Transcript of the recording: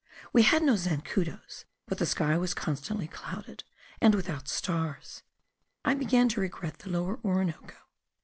We had no zancudos, but the sky was constantly clouded, and without stars. I began to regret the Lower Orinoco.